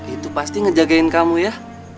itu pasti ngejagain kamu ya